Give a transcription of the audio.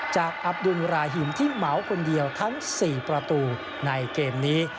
อับดุลราหิมที่เหมาคนเดียวทั้ง๔ประตูในเกมนี้